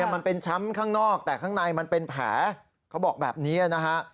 มันเป็นช้ำข้างนอกแต่ข้างในมันเป็นแผลเขาบอกแบบนี้นะฮะ